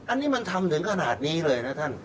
อันนี้มันทำถึงขนาดนี้เลยนะท่าน